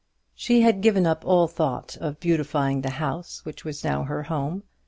She had given up all thought of beautifying the house which was now her home.